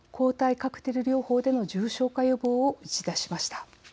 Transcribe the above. カクテル療法での重症化予防を打ち出しました。